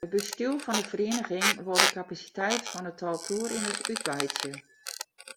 It bestjoer fan de feriening wol de kapasiteit fan it tal toerriders útwreidzje.